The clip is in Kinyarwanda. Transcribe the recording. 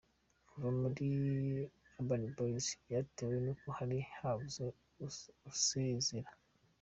Kuva muri Urban Boys byatewe n’uko hari habuze usezera.